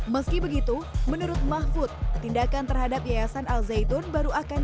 meski begitu menurut mahfud tindakan terhadap yayasan al zaitun baru akan